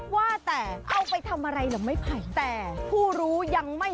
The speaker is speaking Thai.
และครั้งหลังนี้